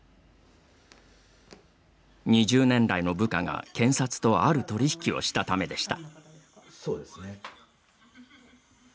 ２０年来の部下が検察とある取り引きをしたためでした。